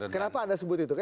kenapa anda sebut itu